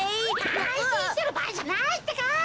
あんしんしてるばあいじゃないってか！